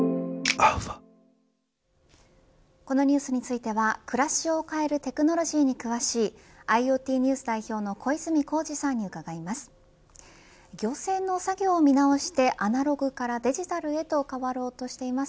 このニュースについては暮らしを変えるテクノロジーに詳しいＩｏＴＮＥＷＳ代表の小泉耕二さんに伺います。